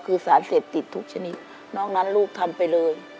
คือสารเสพติดทุกชนิดนอกนั้นลูกทำไปเลย